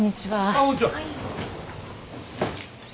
ああこんにちは。